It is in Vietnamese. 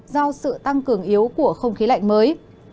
do sự tăng cường yếu của không khí lạnh mới